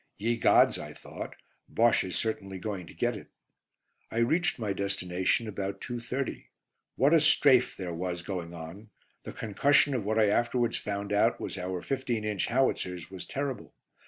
"Ye gods!" I thought, "Bosche is certainly going to get it." I reached my destination about 2.30. What a "strafe" there was going on! The concussion of what I afterwards found out was our 15 inch howitzers was terrible.